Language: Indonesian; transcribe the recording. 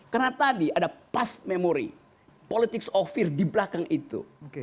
karena tadi ada past memory politics of fear di belakang itu